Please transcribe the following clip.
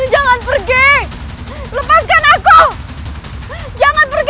jangan pergi lepaskan aku jangan pergi